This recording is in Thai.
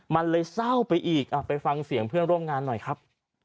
มันเลยเศร้าไปอีกไปฟังเสียงเพื่อนร่วมงานหน่อยครับ